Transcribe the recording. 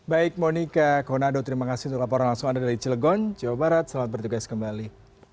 baik monika konado terima kasih untuk laporan langsung anda dari cilegon jawa barat selamat bertugas kembali